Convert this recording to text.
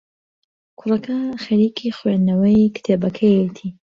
کوڕەکە خەریکی خوێندنەوەی کتێبەکەیەتی.